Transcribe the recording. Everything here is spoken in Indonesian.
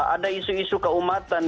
ada isu isu keumatan